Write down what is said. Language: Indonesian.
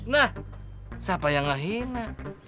nah siapa yang menghina